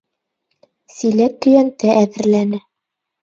Силәк-көйәнтә әҙерләне.